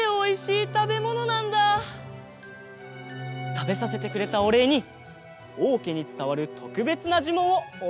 たべさせてくれたおれいにおうけにつたわるとくべつなじゅもんをおおしえしましょう！